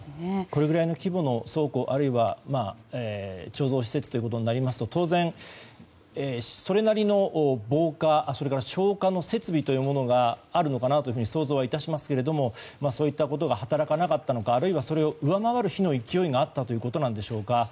これくらいの規模の倉庫あるいは貯蔵施設となりますと当然、それなりの防火それから消火の設備というものがあるのかなと想像致しますけれどもそういったことが働かなかったのかあるいはそれを上回る火の勢いがあったということでしょうか。